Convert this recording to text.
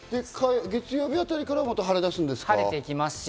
月曜日あたりからまた晴れ出すんですか？